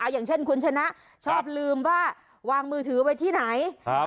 อย่างเช่นคุณชนะชอบลืมว่าวางมือถือไว้ที่ไหน